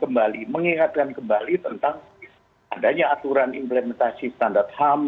mengingatkan kembali tentang adanya aturan implementasi standar ham